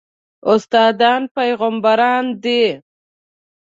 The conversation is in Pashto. استادان پېغمبران دي